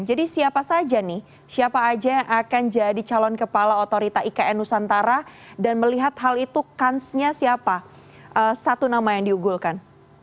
jadi siapa saja nih siapa saja yang akan jadi calon kepala otorita ikn nusantara dan melihat hal itu kansnya siapa satu nama yang diugulkan